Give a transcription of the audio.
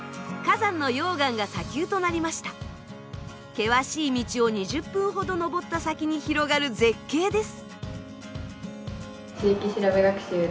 険しい道を２０分ほど登った先に広がる絶景です。